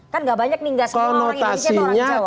kan gak banyak nih gak semua orang indonesia itu orang jawa